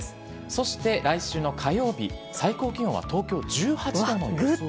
そして来週の火曜日最高気温は東京１８度の予報です。